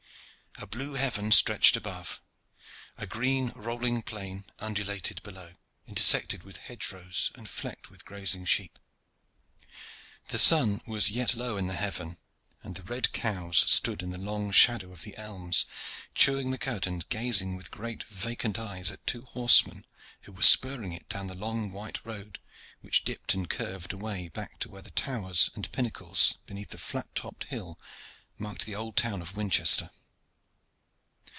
A blue heaven stretched above, a green rolling plain undulated below, intersected with hedge rows and flecked with grazing sheep. The sun was yet low in the heaven, and the red cows stood in the long shadow of the elms, chewing the cud and gazing with great vacant eyes at two horsemen who were spurring it down the long white road which dipped and curved away back to where the towers and pinnacles beneath the flat topped hill marked the old town of Winchester.